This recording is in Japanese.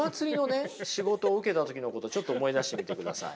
仕事を受けた時のことをちょっと思い出してみてください。